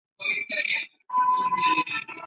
皱叶雀梅藤为鼠李科雀梅藤属下的一个种。